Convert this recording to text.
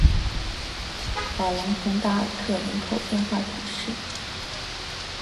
瓦龙蓬达尔克人口变化图示